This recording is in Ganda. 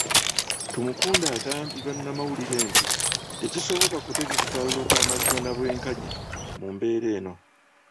Tumukunde agambye bannamawulire nti tekisoboka kutegaka kalulu k'amazima na bwenkanya mu mbeera eno.